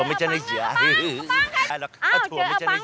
ขอชื่อถั่วหน่อย